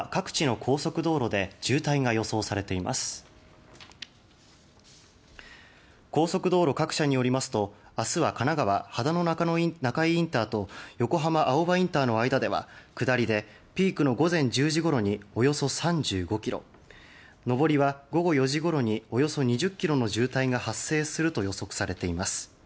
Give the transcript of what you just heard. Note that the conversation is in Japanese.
高速道路各社によりますと明日は神奈川・秦野中井インターと横浜青葉インターの間では下りでピークの午前１０時ごろにおよそ３５ｋｍ上りは午後４時ごろにおよそ２０ｋｍの渋滞が発生すると予測されています。